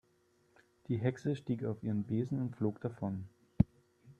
Die Hexe stieg auf ihren Besen und flog davon.